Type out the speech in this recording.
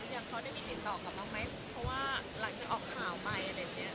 อย่างเขาได้มีติดต่อกับเราไหมเพราะว่าหลังจากออกข่าวไปอะไรอย่างนี้